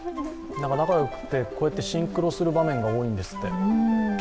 仲よくて、シンクロする場面が多いんですって。